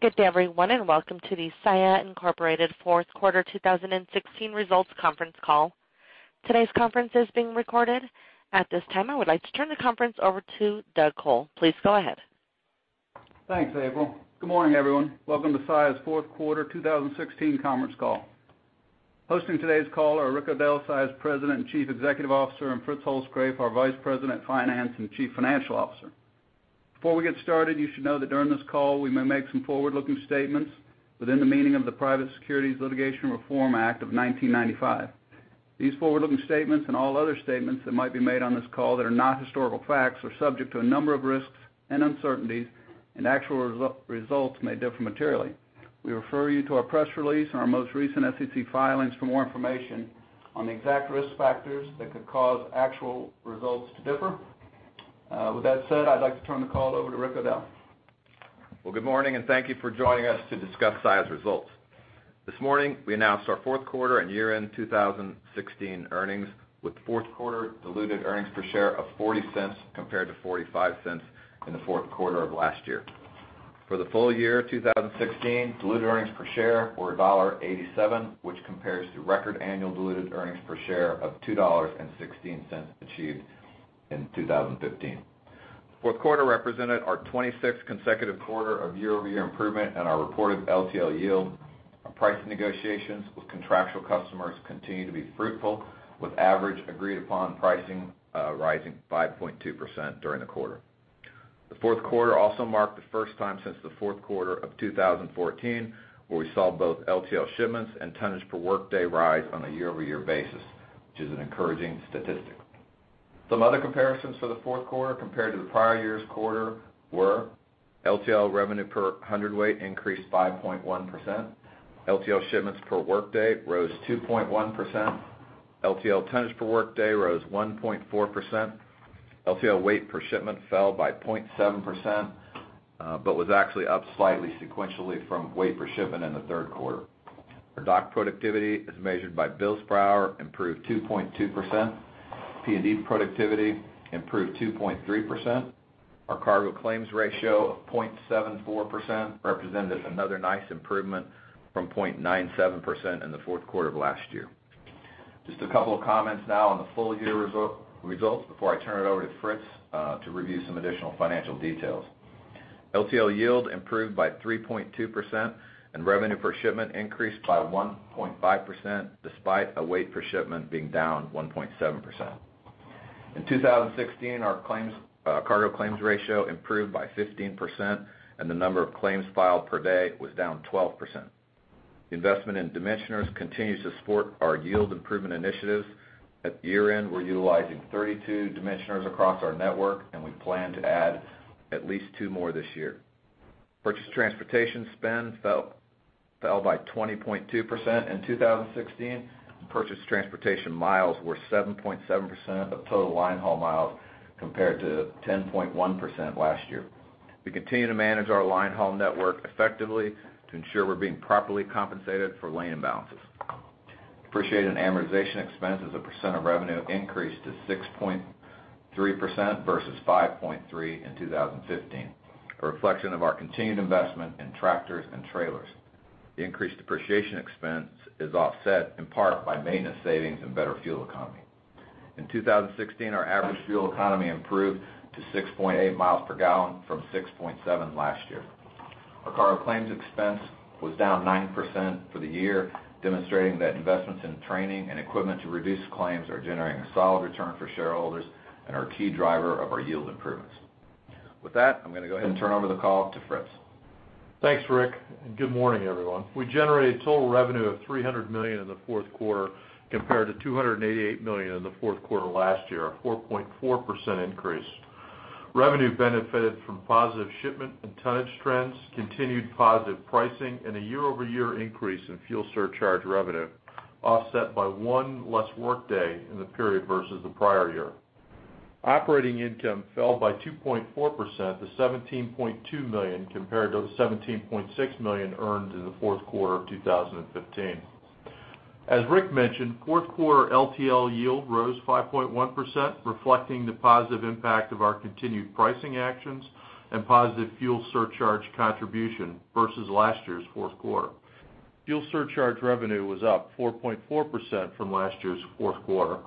Good day, everyone, and welcome to the Saia Incorporated Fourth Quarter 2016 Results Conference Call. Today's conference is being recorded. At this time, I would like to turn the conference over to Doug Col. Please go ahead. Thanks, April. Good morning, everyone. Welcome to Saia's Fourth Quarter 2016 conference call. Hosting today's call are Rick O'Dell, Saia's President and Chief Executive Officer, and Fritz Holzgrefe, our Vice President, Finance and Chief Financial Officer. Before we get started, you should know that during this call, we may make some forward-looking statements within the meaning of the Private Securities Litigation Reform Act of 1995. These forward-looking statements, and all other statements that might be made on this call that are not historical facts, are subject to a number of risks and uncertainties, and actual results may differ materially. We refer you to our press release and our most recent SEC filings for more information on the exact risk factors that could cause actual results to differ. With that said, I'd like to turn the call over to Rick O'Dell. Well, good morning, and thank you for joining us to discuss Saia's results. This morning, we announced our fourth quarter and year-end 2016 earnings, with fourth quarter diluted earnings per share of $0.40 compared to $0.45 in the fourth quarter of last year. For the full year 2016, diluted earnings per share were $1.87, which compares to record annual diluted earnings per share of $2.16 achieved in 2015. Fourth quarter represented our 26th consecutive quarter of year-over-year improvement in our reported LTL yield. Our pricing negotiations with contractual customers continue to be fruitful, with average agreed-upon pricing rising 5.2% during the quarter. The fourth quarter also marked the first time since the fourth quarter of 2014, where we saw both LTL shipments and tonnage per workday rise on a year-over-year basis, which is an encouraging statistic. Some other comparisons for the fourth quarter compared to the prior year's quarter were: LTL revenue per hundredweight increased 5.1%, LTL shipments per workday rose 2.1%, LTL tonnage per workday rose 1.4%, LTL weight per shipment fell by 0.7%, but was actually up slightly sequentially from weight per shipment in the third quarter. Our dock productivity, as measured by bills per hour, improved 2.2%. P&D productivity improved 2.3%. Our cargo claims ratio of 0.74% represented another nice improvement from 0.97% in the fourth quarter of last year. Just a couple of comments now on the full-year result, results before I turn it over to Fritz to review some additional financial details. LTL yield improved by 3.2%, and revenue per shipment increased by 1.5%, despite a weight per shipment being down 1.7%. In 2016, our claims, cargo claims ratio improved by 15%, and the number of claims filed per day was down 12%. Investment in dimensioners continues to support our yield improvement initiatives. At year-end, we're utilizing 32 dimensioners across our network, and we plan to add at least two more this year. Purchase transportation spend fell by 20.2% in 2016. Purchase transportation miles were 7.7% of total line haul miles, compared to 10.1% last year. We continue to manage our line haul network effectively to ensure we're being properly compensated for lane imbalances. Depreciation and amortization expenses as a percent of revenue increased to 6.3% versus 5.3% in 2015, a reflection of our continued investment in tractors and trailers. The increased depreciation expense is offset in part by maintenance savings and better fuel economy. In 2016, our average fuel economy improved to 6.8 miles per gallon from 6.7 last year. Our cargo claims expense was down 9% for the year, demonstrating that investments in training and equipment to reduce claims are generating a solid return for shareholders and are a key driver of our yield improvements. With that, I'm going to go ahead and turn over the call to Fritz. Thanks, Rick, and good morning, everyone. We generated total revenue of $300 million in the fourth quarter, compared to $288 million in the fourth quarter last year, a 4.4% increase. Revenue benefited from positive shipment and tonnage trends, continued positive pricing, and a year-over-year increase in fuel surcharge revenue, offset by one less workday in the period versus the prior year. Operating income fell by 2.4% to $17.2 million, compared to the $17.6 million earned in the fourth quarter of 2015. As Rick mentioned, fourth quarter LTL yield rose 5.1%, reflecting the positive impact of our continued pricing actions and positive fuel surcharge contribution versus last year's fourth quarter. Fuel surcharge revenue was up 4.4% from last year's fourth quarter.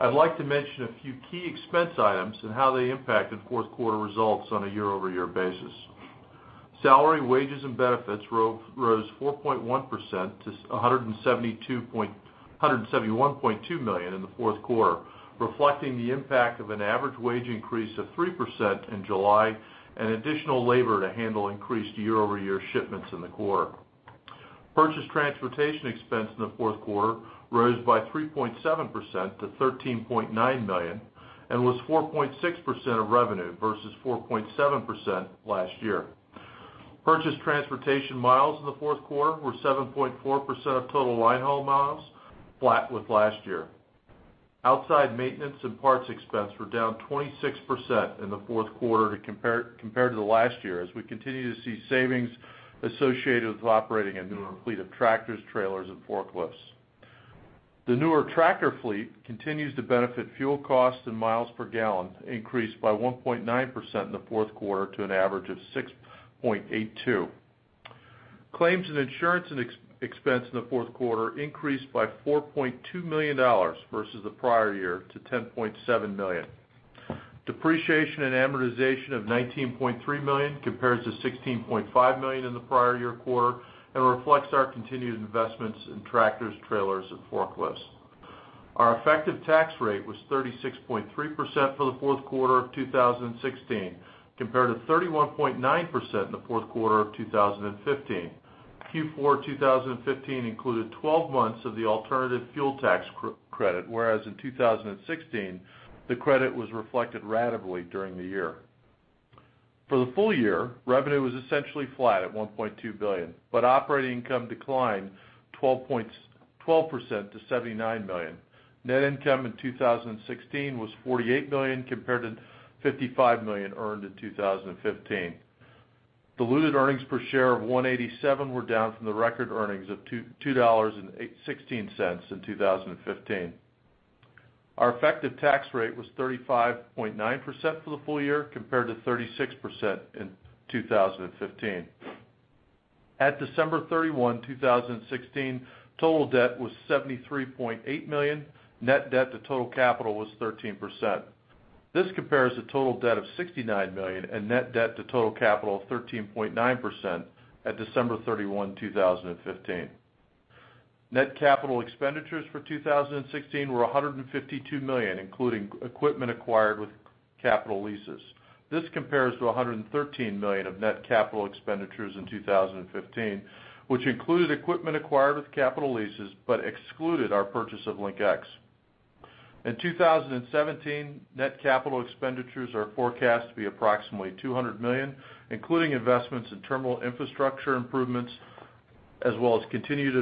I'd like to mention a few key expense items and how they impacted fourth quarter results on a year-over-year basis. Salary, wages, and benefits rose 4.1% to $171.2 million in the fourth quarter, reflecting the impact of an average wage increase of 3% in July and additional labor to handle increased year-over-year shipments in the quarter. Purchase transportation expense in the fourth quarter rose by 3.7% to $13.9 million, and was 4.6% of revenue versus 4.7% last year. Purchase transportation miles in the fourth quarter were 7.4% of total line haul miles, flat with last year. Outside maintenance and parts expense were down 26% in the fourth quarter compared to the last year, as we continue to see savings associated with operating a newer fleet of tractors, trailers, and forklifts. The newer tractor fleet continues to benefit fuel costs, and miles per gallon increased by 1.9% in the fourth quarter to an average of 6.82. Claims and insurance expense in the fourth quarter increased by $4.2 million versus the prior year to $10.7 million. Depreciation and amortization of $19.3 million compares to $16.5 million in the prior year quarter and reflects our continued investments in tractors, trailers, and forklifts. Our effective tax rate was 36.3% for the fourth quarter of 2016, compared to 31.9% in the fourth quarter of 2015. Q4 2015 included 12 months of the alternative fuel tax credit, whereas in 2016, the credit was reflected ratably during the year. For the full year, revenue was essentially flat at $1.2 billion, but operating income declined 12% to $79 million. Net income in 2016 was $48 million, compared to $55 million earned in 2015. Diluted earnings per share of $1.87 were down from the record earnings of $2.16 in 2015. Our effective tax rate was 35.9% for the full year, compared to 36% in 2015. At December 31, 2016, total debt was $73.8 million. Net debt to total capital was 13%. This compares to total debt of $69 million and net debt to total capital of 13.9% at December 31, 2015. Net capital expenditures for 2016 were $152 million, including equipment acquired with capital leases. This compares to $113 million of net capital expenditures in 2015, which included equipment acquired with capital leases but excluded our purchase of LinkEx. In 2017, net capital expenditures are forecast to be approximately $200 million, including investments in terminal infrastructure improvements, as well as continued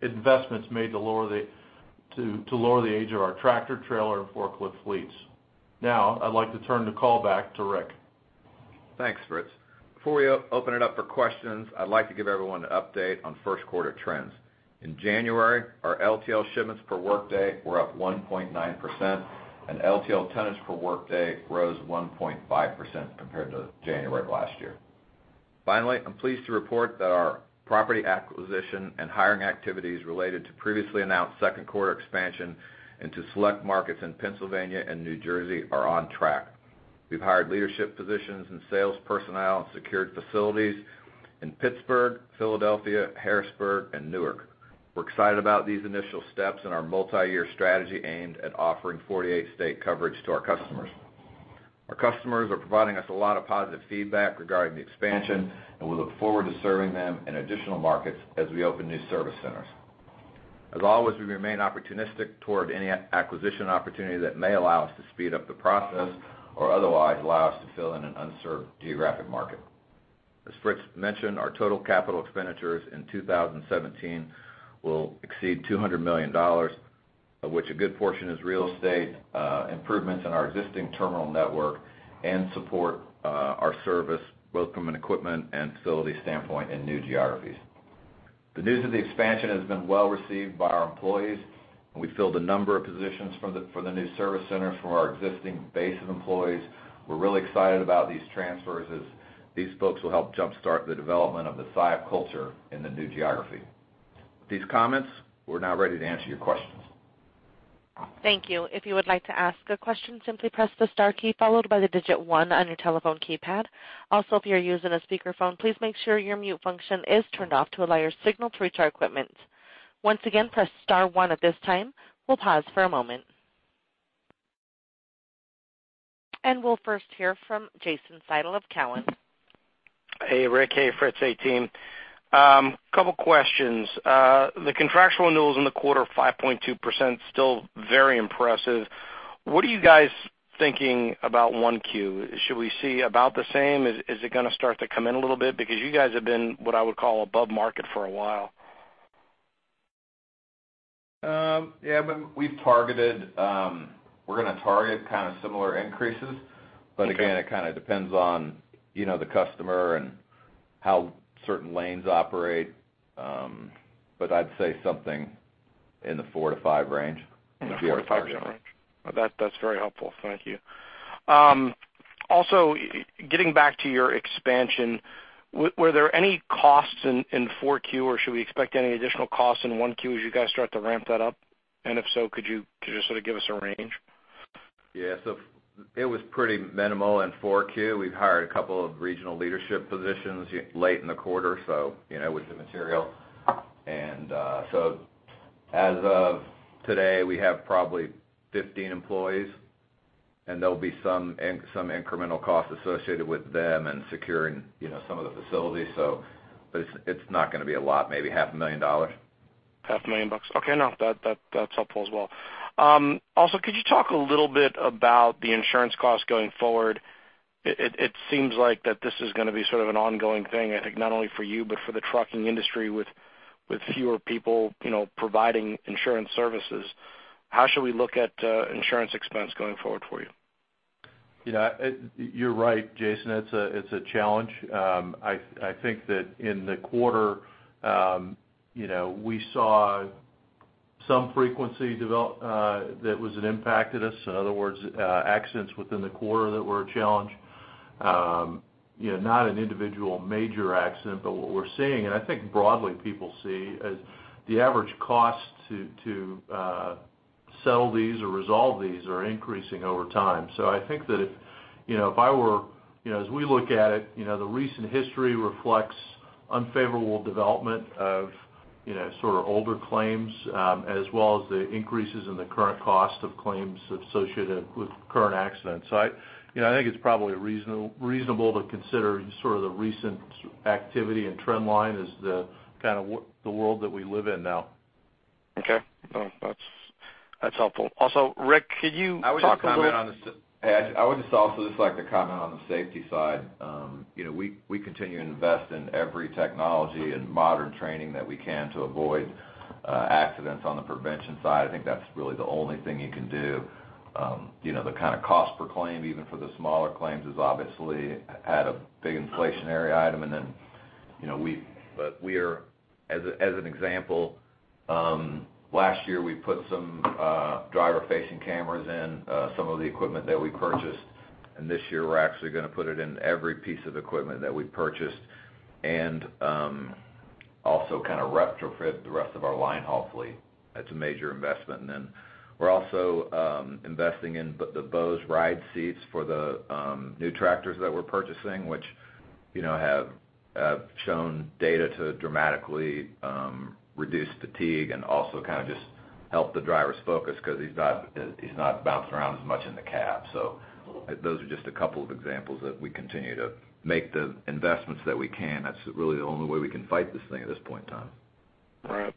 investments made to lower the age of our tractor, trailer, and forklift fleets. Now, I'd like to turn the call back to Rick. Thanks, Fritz. Before we open it up for questions, I'd like to give everyone an update on first quarter trends. In January, our LTL shipments per workday were up 1.9%, and LTL tonnage per workday rose 1.5% compared to January of last year. Finally, I'm pleased to report that our property acquisition and hiring activities related to previously announced second quarter expansion into select markets in Pennsylvania and New Jersey are on track. We've hired leadership positions and sales personnel and secured facilities in Pittsburgh, Philadelphia, Harrisburg, and Newark. We're excited about these initial steps in our multiyear strategy aimed at offering 48 state coverage to our customers. Our customers are providing us a lot of positive feedback regarding the expansion, and we look forward to serving them in additional markets as we open new service centers. As always, we remain opportunistic toward any acquisition opportunity that may allow us to speed up the process or otherwise allow us to fill in an unserved geographic market. As Fritz mentioned, our total capital expenditures in 2017 will exceed $200 million, of which a good portion is real estate improvements in our existing terminal network and support our service, both from an equipment and facility standpoint in new geographies. The news of the expansion has been well received by our employees, and we've filled a number of positions for the new service centers from our existing base of employees. We're really excited about these transfers, as these folks will help jumpstart the development of the SYNE culture in the new geography. With these comments, we're now ready to answer your questions. Thank you. If you would like to ask a question, simply press the star key followed by the digit one on your telephone keypad. Also, if you're using a speakerphone, please make sure your mute function is turned off to allow your signal to reach our equipment. Once again, press star one at this time. We'll pause for a moment. We'll first hear from Jason Seidl of Cowen. Hey, Rick. Hey, Fritz, hey, team. Couple questions. The contractual renewals in the quarter, 5.2%, still very impressive. What are you guys thinking about 1Q? Should we see about the same? Is it going to start to come in a little bit? Because you guys have been, what I would call, above market for a while. Yeah, but we've targeted. We're gonna target kind of similar increases. But again, it kind of depends on, you know, the customer and how certain lanes operate. But I'd say something in the four-five range. In the four-five range. That, that's very helpful. Thank you. Also, getting back to your expansion, were there any costs in 4Q, or should we expect any additional costs in 1Q as you guys start to ramp that up? And if so, could you just sort of give us a range? Yeah, so it was pretty minimal in 4Q. We've hired a couple of regional leadership positions late in the quarter, so you know, it was immaterial. And so as of today, we have probably 15 employees, and there'll be some incremental costs associated with them and securing, you know, some of the facilities. So but it's, it's not gonna be a lot, maybe $500,000. $500,000. Okay, no, that's helpful as well. Also, could you talk a little bit about the insurance costs going forward? It seems like that this is gonna be sort of an ongoing thing, I think, not only for you, but for the trucking industry, with fewer people, you know, providing insurance services. How should we look at insurance expense going forward for you? You know, you're right, Jason, it's a, it's a challenge. I think that in the quarter, you know, we saw some frequency develop, that impacted us. In other words, accidents within the quarter that were a challenge. You know, not an individual major accident, but what we're seeing, and I think broadly, people see, is the average cost to settle these or resolve these are increasing over time. So I think that if, you know, if I were. You know, as we look at it, you know, the recent history reflects unfavorable development of, you know, sort of older claims, as well as the increases in the current cost of claims associated with current accidents. So, you know, I think it's probably reasonable to consider sort of the recent activity and trend line as the kind of world that we live in now. Okay. That's, that's helpful. Also, Rick, could you talk a little- I would just also just like to comment on the safety side. You know, we continue to invest in every technology and modern training that we can to avoid accidents on the prevention side. I think that's really the only thing you can do. You know, the kind of cost per claim, even for the smaller claims, has obviously had a big inflationary item. And then, as an example, last year, we put some driver-facing cameras in some of the equipment that we purchased, and this year, we're actually gonna put it in every piece of equipment that we purchased, and also kind of retrofit the rest of our line, hopefully. That's a major investment. And then we're also investing in the Bose Ride seats for the new tractors that we're purchasing, which, you know, have shown data to dramatically reduce fatigue and also kind of just help the drivers focus because he's not, he's not bouncing around as much in the cab. So those are just a couple of examples that we continue to make the investments that we can. That's really the only way we can fight this thing at this point in time. Right.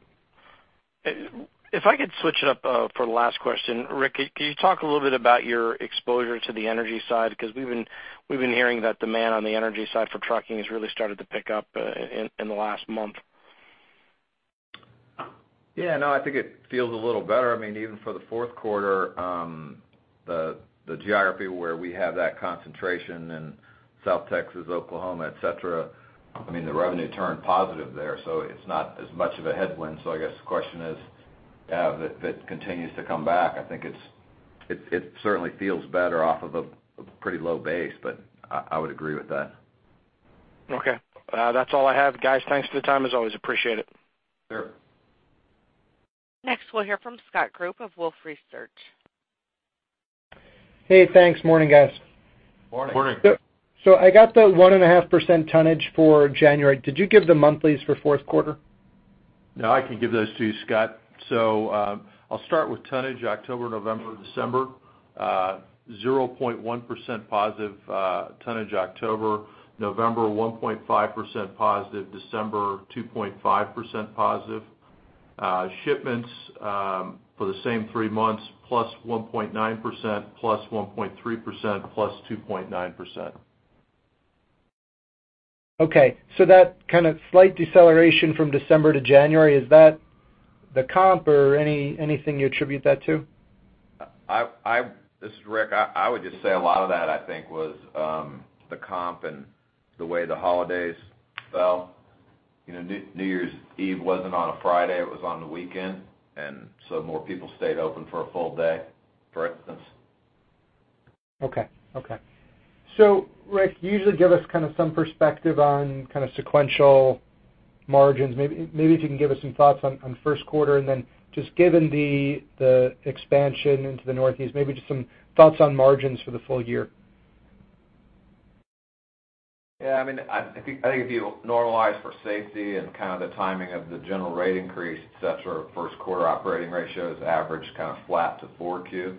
If I could switch it up for the last question. Rick, can you talk a little bit about your exposure to the energy side? Because we've been hearing that demand on the energy side for trucking has really started to pick up in the last month. Yeah, no, I think it feels a little better. I mean, even for the fourth quarter, the geography where we have that concentration in South Texas, Oklahoma, et cetera, I mean, the revenue turned positive there, so it's not as much of a headwind. So I guess the question is, if it continues to come back, I think it certainly feels better off of a pretty low base, but I would agree with that. Okay. That's all I have, guys. Thanks for the time. As always, appreciate it. Sure. Next, we'll hear from Scott Group of Wolfe Research. Hey, thanks. Morning, guys. Morning. Morning. So, I got the 1.5% tonnage for January. Did you give the monthlies for fourth quarter? No, I can give those to you, Scott. So, I'll start with tonnage, October, November, December. 0.1% positive, tonnage October. November, 1.5% positive. December, 2.5% positive. Shipments, for the same three months, plus 1.9%, plus 1.3%, plus 2.9%. Okay, so that kind of slight deceleration from December to January, is that the comp or anything you attribute that to? This is Rick. I would just say a lot of that, I think, was the comp and the way the holidays fell. You know, New Year's Eve wasn't on a Friday, it was on the weekend, and so more people stayed open for a full day, for instance. Okay. Okay. So, Rick, you usually give us kind of some perspective on kind of sequential margins. Maybe, maybe if you can give us some thoughts on, on first quarter, and then just given the, the expansion into the Northeast, maybe just some thoughts on margins for the full year. Yeah, I mean, I think if you normalize for safety and kind of the timing of the general rate increase, et cetera, first quarter operating ratios average kind of flat to 4Q.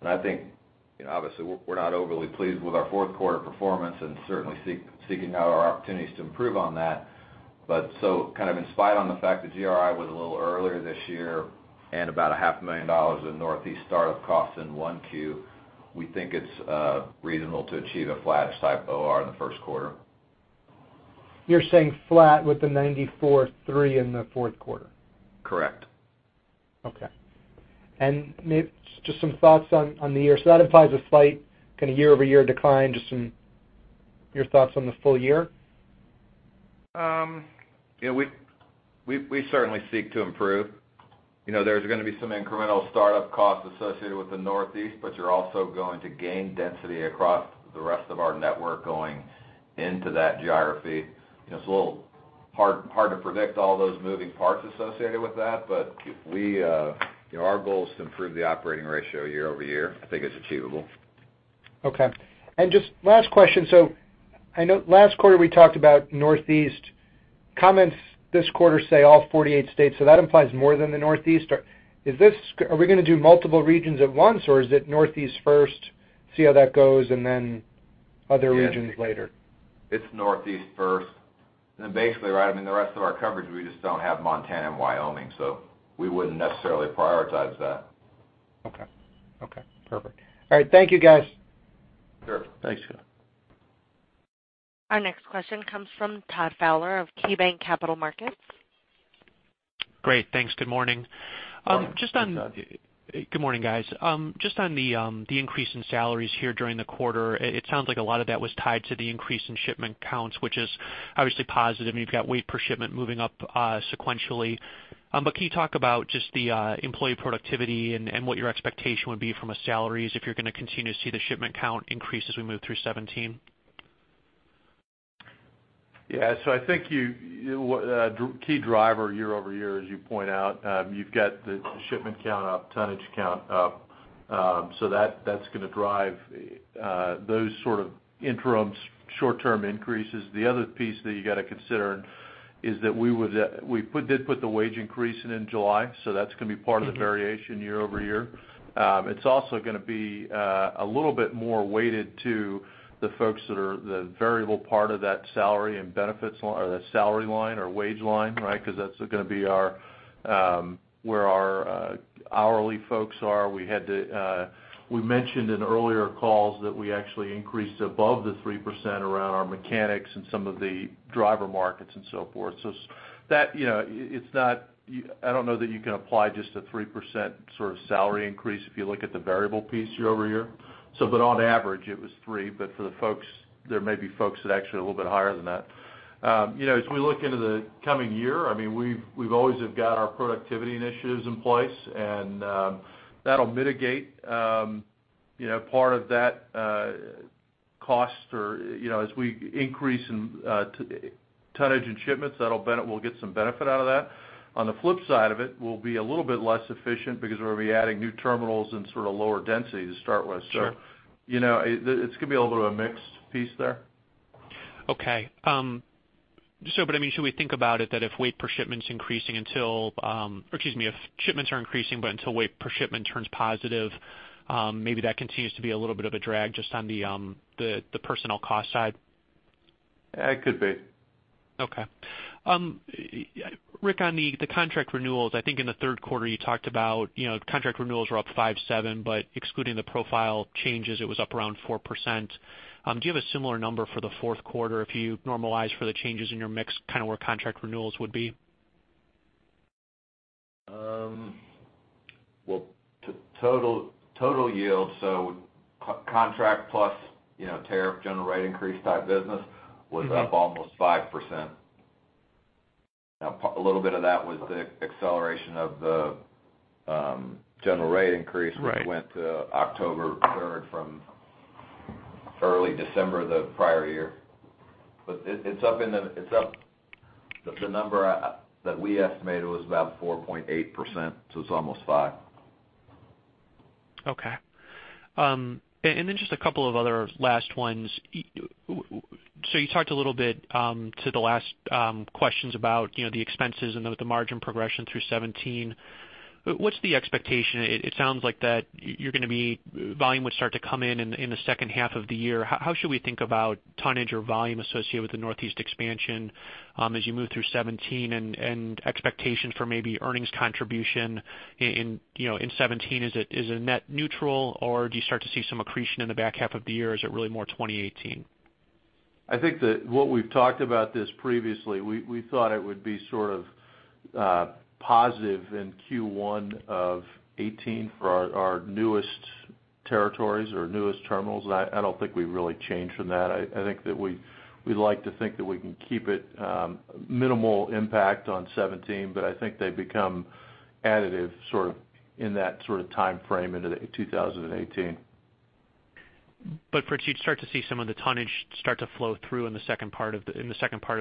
And I think, you know, obviously, we're not overly pleased with our fourth quarter performance and certainly seeking out our opportunities to improve on that. But so kind of in spite of the fact that GRI was a little earlier this year and about $500,000 in Northeast startup costs in 1Q, we think it's reasonable to achieve a flat type OR in the first quarter. You're saying flat with the 94.3 in the fourth quarter? Correct. Okay. And maybe just some thoughts on the year. So that implies a slight kind of year-over-year decline. Just some. Your thoughts on the full year. Yeah, we certainly seek to improve. You know, there's gonna be some incremental startup costs associated with the Northeast, but you're also going to gain density across the rest of our network going into that geography. You know, it's a little hard to predict all those moving parts associated with that, but we, you know, our goal is to improve the operating ratio year over year. I think it's achievable. Okay. And just last question. So I know last quarter, we talked about Northeast. Comments this quarter say all 48 states, so that implies more than the Northeast. Or is this? Are we gonna do multiple regions at once, or is it Northeast first, see how that goes, and then other regions later? It's Northeast first, and then basically, right, I mean, the rest of our coverage, we just don't have Montana and Wyoming, so we wouldn't necessarily prioritize that. Okay. Okay, perfect. All right. Thank you, guys. Sure. Thanks, Scott. Our next question comes from Todd Fowler of KeyBanc Capital Markets. Great. Thanks. Good morning. Good morning, Todd. Good morning, guys. Just on the increase in salaries here during the quarter, it sounds like a lot of that was tied to the increase in shipment counts, which is obviously positive, and you've got weight per shipment moving up sequentially. But can you talk about just the employee productivity and what your expectation would be from a salaries, if you're going to continue to see the shipment count increase as we move through 2017? Yeah. So I think you, the key driver year over year, as you point out, you've got the shipment count up, tonnage count up. So that, that's going to drive those sort of interim short-term increases. The other piece that you got to consider is that we did put the wage increase in in July, so that's going to be part of the variation year over year. It's also going to be a little bit more weighted to the folks that are the variable part of that salary and benefits or the salary line or wage line, right? Because that's going to be our where our hourly folks are. We had to. We mentioned in earlier calls that we actually increased above the 3% around our mechanics and some of the driver markets and so forth. So that, you know, it's not—I don't know that you can apply just a 3% sort of salary increase if you look at the variable piece year over year. So but on average, it was 3, but for the folks, there may be folks that are actually a little bit higher than that. You know, as we look into the coming year, I mean, we've always have got our productivity initiatives in place, and that'll mitigate, you know, part of that cost or, you know, as we increase in tonnage and shipments, that'll—we'll get some benefit out of that. On the flip side of it, we'll be a little bit less efficient because we're going to be adding new terminals and sort of lower density to start with. Sure. So, you know, it's going to be a little bit of a mixed piece there. Okay. So but, I mean, should we think about it that if weight per shipment is increasing until, or excuse me, if shipments are increasing, but until weight per shipment turns positive, maybe that continues to be a little bit of a drag just on the personnel cost side? It could be. Okay. Rick, on the contract renewals, I think in the third quarter, you talked about, you know, contract renewals were up 5.7, but excluding the profile changes, it was up around 4%. Do you have a similar number for the fourth quarter if you normalize for the changes in your mix, kind of where contract renewals would be? To total, total yield, so contract plus, you know, tariff general rate increase type business- Mm-hmm. Was up almost 5%. Now, a little bit of that was the acceleration of the general rate increase- Right. Which went to October third from early December the prior year. But it- it's up in the, It's up, the number that we estimated was about 4.8%, so it's almost 5%. Okay. And then just a couple of other last ones. So you talked a little bit to the last questions about, you know, the expenses and the margin progression through 2017. What's the expectation? It sounds like that you're going to be. Volume would start to come in, in the second half of the year. How should we think about tonnage or volume associated with the Northeast expansion as you move through 2017 and expectations for maybe earnings contribution in, you know, in 2017? Is it net neutral, or do you start to see some accretion in the back half of the year? Is it really more 2018? I think that what we've talked about this previously, we thought it would be sort of positive in Q1 of 2018 for our newest territories or newest terminals. I don't think we've really changed from that. I think that we like to think that we can keep it minimal impact on 2017, but I think they become additive, sort of, in that sort of time frame into 2018. But Fritz, you'd start to see some of the tonnage start to flow through in the second part of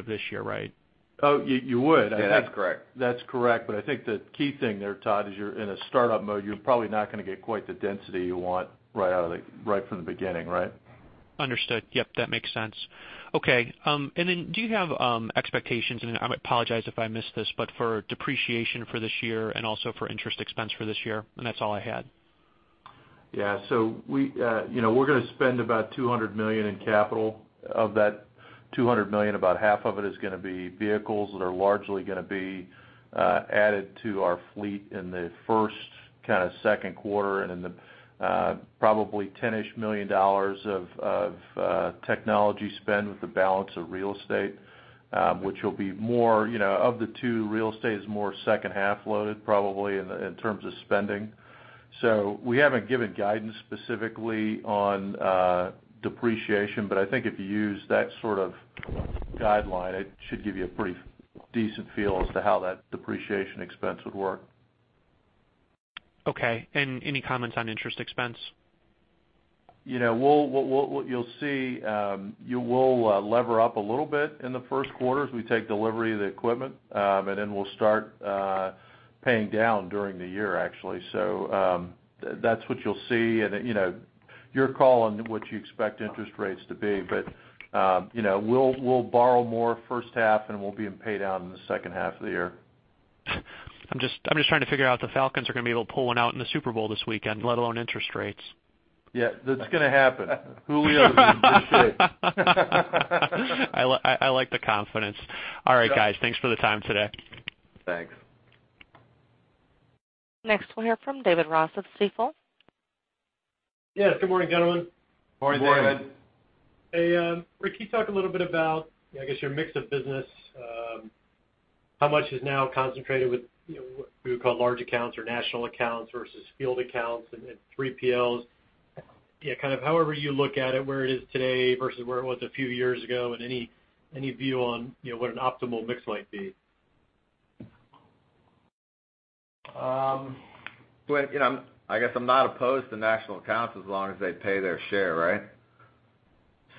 this year, right? Oh, you, you would. Yeah, that's correct. That's correct. But I think the key thing there, Todd, is you're in a startup mode. You're probably not going to get quite the density you want right out of the, right from the beginning, right? Understood. Yep, that makes sense. Okay, and then do you have expectations, and I apologize if I missed this, but for depreciation for this year and also for interest expense for this year? That's all I had. Yeah. So we, you know, we're going to spend about $200 million in capital. Of that $200 million, about half of it is going to be vehicles that are largely going to be added to our fleet in the first kind of second quarter, and then the probably 10-ish million dollars of technology spend with the balance of real estate, which will be more, you know, of the two, real estate is more second half loaded, probably in terms of spending. So we haven't given guidance specifically on depreciation, but I think if you use that sort of guideline, it should give you a pretty decent feel as to how that depreciation expense would work. Okay. Any comments on interest expense? You know, what you'll see, you will lever up a little bit in the first quarter as we take delivery of the equipment, and then we'll start paying down during the year, actually. So, that's what you'll see. And, you know, your call on what you expect interest rates to be, but, you know, we'll borrow more first half, and we'll be in pay down in the second half of the year. I'm just, I'm just trying to figure out if the Falcons are going to be able to pull one out in the Super Bowl this weekend, let alone interest rates. Yeah, that's going to happen. Who we are? I like the confidence. All right, guys. Thanks for the time today. Thanks. Next, we'll hear from David Ross of Stifel. Yes, good morning, gentlemen. Morning, David. Hey, Rick, can you talk a little bit about, I guess, your mix of business? How much is now concentrated with, you know, what we would call large accounts or national accounts versus field accounts and three PLs? Yeah, kind of however you look at it, where it is today versus where it was a few years ago, and any view on, you know, what an optimal mix might be. Well, you know, I guess I'm not opposed to national accounts as long as they pay their share, right?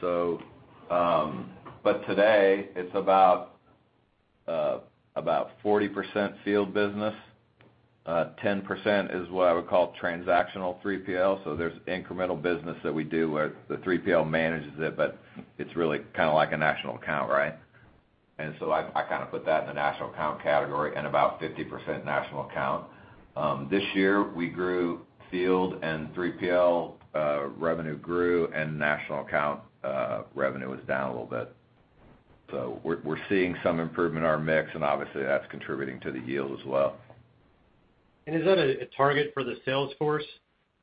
So, but today it's about about 40% field business. Ten percent is what I would call transactional 3PL. So there's incremental business that we do where the 3PL manages it, but it's really kind of like a national account, right? And so I, I kind of put that in the national account category and about 50% national account. This year, we grew field and 3PL revenue grew, and national account revenue was down a little bit. So we're, we're seeing some improvement in our mix, and obviously, that's contributing to the yield as well. And is that a target for the sales force?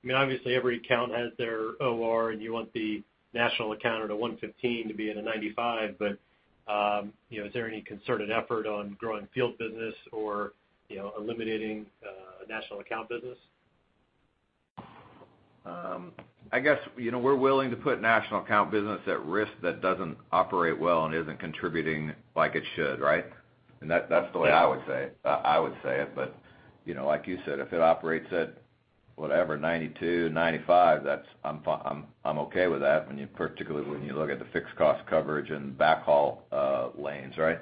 I mean, obviously, every account has their OR, and you want the national account or the 115 to be at a 95. But, you know, is there any concerted effort on growing field business or, you know, eliminating national account business? I guess, you know, we're willing to put national account business at risk that doesn't operate well and isn't contributing like it should, right? And that, that's the way I would say, I, I would say it, but, you know, like you said, if it operates at whatever, 92, 95, that's. I'm, I'm okay with that, when you, particularly when you look at the fixed cost coverage and backhaul lanes, right?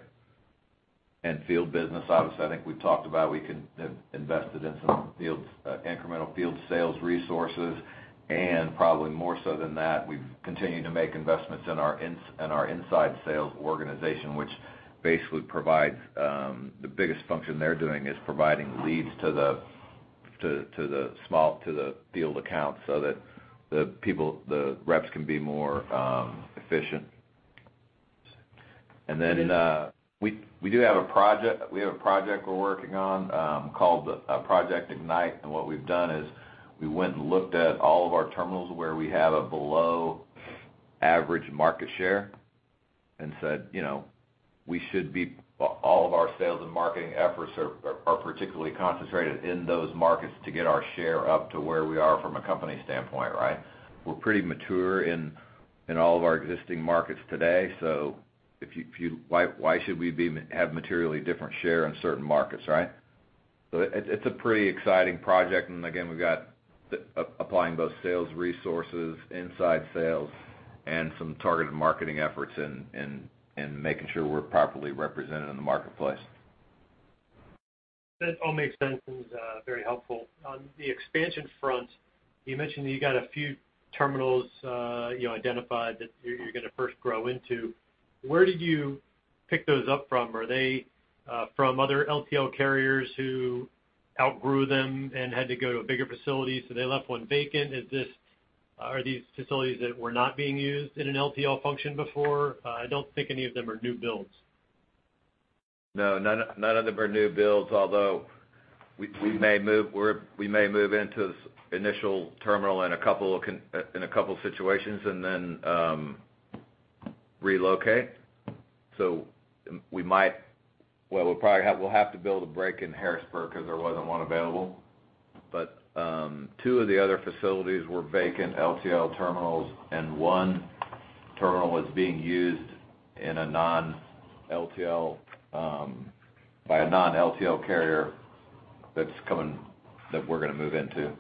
And field business, obviously, I think we've talked about, we have invested in some field incremental field sales resources, and probably more so than that, we've continued to make investments in our in our inside sales organization, which basically provides, the biggest function they're doing is providing leads to the, to, to the small, to the field accounts so that the people, the reps can be more efficient. And then, we do have a project we're working on, called Project Ignite, and what we've done is we went and looked at all of our terminals where we have a below average market share and said, you know, we should be all of our sales and marketing efforts are particularly concentrated in those markets to get our share up to where we are from a company standpoint, right? We're pretty mature in all of our existing markets today. Why should we have materially different share in certain markets, right? So it's a pretty exciting project. And again, we've got applying both sales resources, inside sales, and some targeted marketing efforts and making sure we're properly represented in the marketplace. That all makes sense and is very helpful. On the expansion front, you mentioned that you got a few terminals, you know, identified that you're going to first grow into. Where did you pick those up from? Are they from other LTL carriers who outgrew them and had to go to a bigger facility, so they left one vacant? Are these facilities that were not being used in an LTL function before? I don't think any of them are new builds. No, none of them are new builds, although we may move where. We may move into initial terminal in a couple situations and then relocate. So we might. Well, we'll probably have to build a break in Harrisburg because there wasn't one available. But two of the other facilities were vacant LTL terminals, and one terminal was being used in a non-LTL by a non-LTL carrier that's coming that we're going to move into.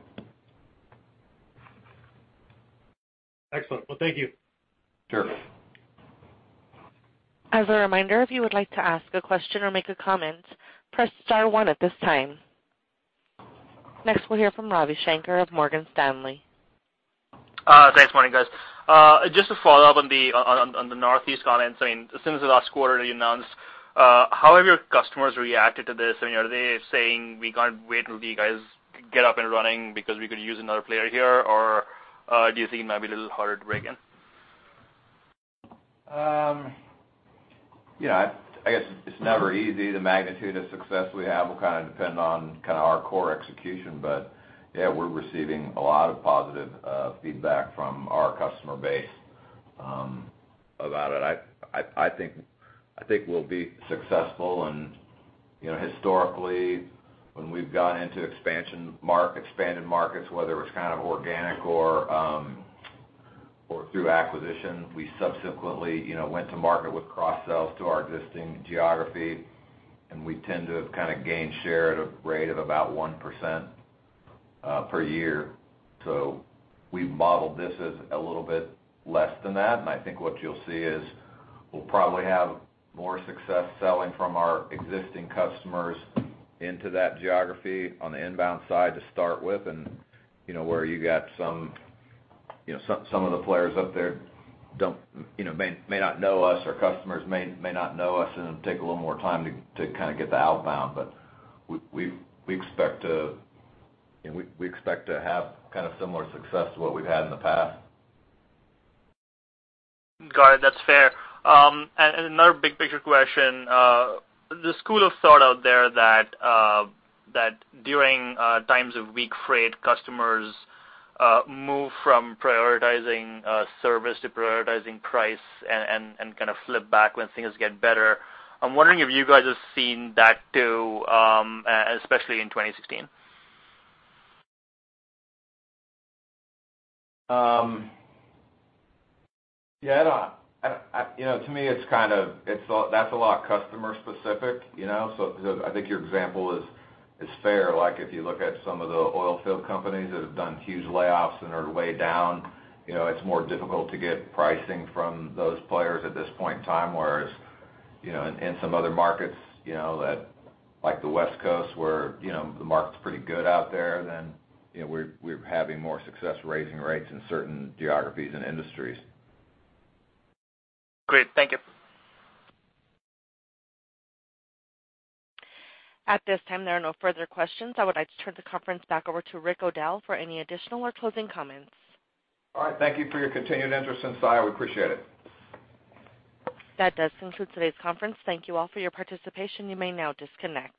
Excellent. Well, thank you. Sure. As a reminder, if you would like to ask a question or make a comment, press star one at this time. Next, we'll hear from Ravi Shanker of Morgan Stanley. Thanks, morning, guys. Just to follow up on the Northeast comments, I mean, as soon as the last quarter you announced, how have your customers reacted to this? I mean, are they saying, "We can't wait until you guys get up and running because we could use another player here?" Or, do you think it might be a little harder to break in? You know, I guess it's never easy. The magnitude of success we have will kind of depend on kind of our core execution. But yeah, we're receiving a lot of positive feedback from our customer base about it. I think we'll be successful and, you know, historically, when we've gone into expanded markets, whether it was kind of organic or through acquisition, we subsequently, you know, went to market with cross sales to our existing geography, and we tend to kind of gain share at a rate of about 1% per year. So we've modeled this as a little bit less than that, and I think what you'll see is we'll probably have more success selling from our existing customers into that geography on the inbound side to start with. You know, where you got some, you know, some of the players up there don't, you know, may not know us, or customers may not know us, and it'll take a little more time to kind of get the outbound. But we expect to, you know, have kind of similar success to what we've had in the past. Got it. That's fair. And another big picture question. The school of thought out there that during times of weak freight, customers move from prioritizing service to prioritizing price and kind of flip back when things get better. I'm wondering if you guys have seen that, too, especially in 2016. Yeah, I don't. You know, to me, it's kind of, it's all- that's a lot customer specific, you know? So, I think your example is fair. Like, if you look at some of the oil field companies that have done huge layoffs and are way down, you know, it's more difficult to get pricing from those players at this point in time. Whereas, you know, in some other markets, you know, that like the West Coast, where, you know, the market's pretty good out there, then, you know, we're having more success raising rates in certain geographies and industries. Great. Thank you. At this time, there are no further questions. I would like to turn the conference back over to Rick O'Dell for any additional or closing comments. All right. Thank you for your continued interest in Saia. We appreciate it. That does conclude today's conference. Thank you all for your participation. You may now disconnect.